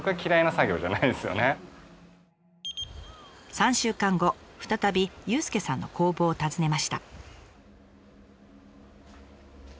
３週間後再び佑介さんの工房を訪ねました。